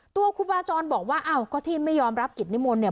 ครูบาจรบอกว่าอ้าวก็ที่ไม่ยอมรับกิจนิมนต์เนี่ย